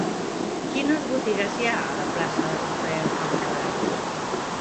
Quines botigues hi ha a la plaça de Rafael Campalans?